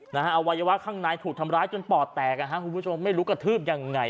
อวัยวะข้างในถูกทำร้ายจนปอดแตกคุณผู้ชมไม่รู้กระทืบยังไง